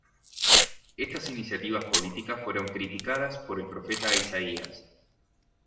Estas iniciativas políticas fueron criticadas por el profeta Isaías.